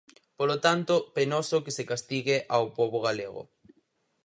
Polo tanto, penoso que se castigue ao pobo galego.